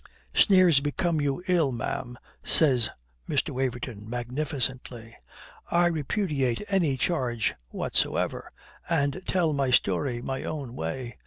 "Sneers become you ill, ma'am," says Mr. Waverton magnificently. "I repudiate any charge whatsoever; and tell my story my own way.